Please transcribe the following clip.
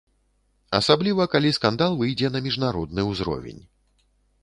Асабліва калі скандал выйдзе на міжнародны ўзровень.